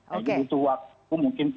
jadi itu waktu mungkin